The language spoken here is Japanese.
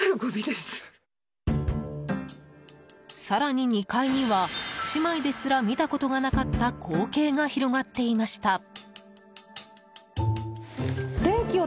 更に２階には、姉妹ですら見たことがなかった光景が広がっていました。